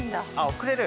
送れる。